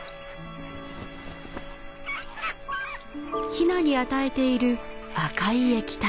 ヒナに与えている赤い液体。